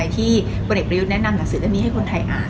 ที่พลเอกประยุทธ์แนะนำหนังสือเรื่องนี้ให้คนไทยอ่าน